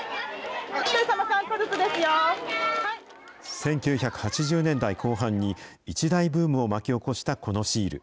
１９８０年代後半に、一大ブームを巻き起こしたこのシール。